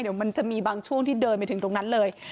เดี๋ยวมันจะมีบางช่วงที่เดินไปถึงตรงนั้นเลย